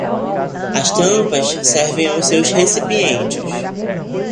As tampas servem aos seus recipientes